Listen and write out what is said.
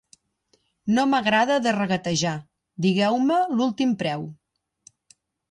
No m'agrada de regatejar: digueu-me l'últim preu.